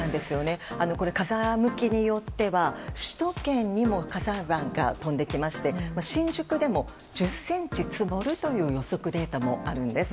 風向きによっては首都圏にも火山灰が飛んできまして新宿でも１０ｃｍ積もるという予測データもあるんです。